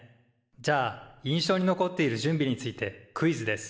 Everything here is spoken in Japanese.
じゃあ印象に残っている準備についてクイズです。